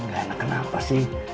gak enak kenapa sih